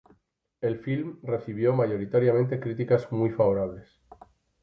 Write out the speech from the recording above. El film recibió mayormente críticas muy favorables.